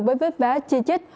với vết vá chi chích